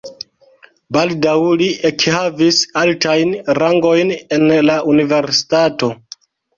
Baldaŭ li ekhavis altajn rangojn en la universitato.